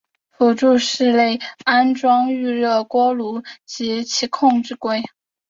辅助室内安装预热锅炉及其控制柜。